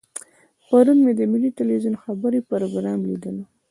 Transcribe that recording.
پرون مې د ملي ټلویزیون خبري پروګرام لیدلو.